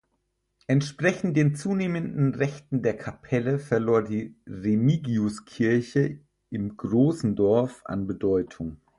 Entsprechend den zunehmenden Rechten der Kapelle verlor die Remigiuskirche im Großendorf an Bedeutung.